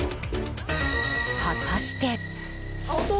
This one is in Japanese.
果たして。